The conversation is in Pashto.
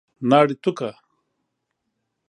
ناړي تو کړه !